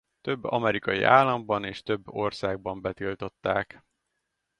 Több amerikai államban és több országban betiltották.